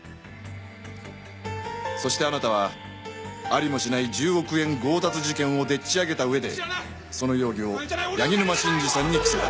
そしてあなたはありもしない１０億円強奪事件をでっちあげた上でその容疑を柳沼真治さんに着せた。